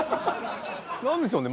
なんでしょうね